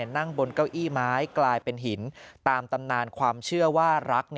นั่งบนเก้าอี้ไม้กลายเป็นหินตามตำนานความเชื่อว่ารัก